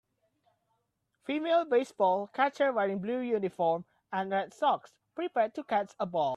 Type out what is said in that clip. Female baseball catcher wearing blue uniform, and red socks, prepared to catch a ball.